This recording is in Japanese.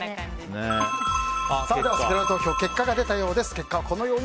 せきらら投票結果が出たようです。